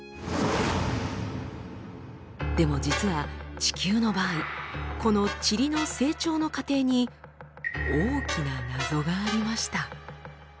でも実は地球の場合このチリの成長の過程に大きな謎がありました。